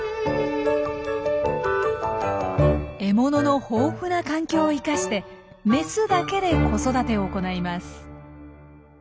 獲物の豊富な環境を生かしてメスだけで子育てを行います。